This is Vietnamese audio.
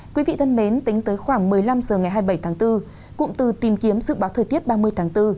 quý vị thân mến tính tới khoảng một mươi năm h ngày hai mươi bảy tháng bốn cụm từ tìm kiếm dự báo thời tiết ba mươi tháng bốn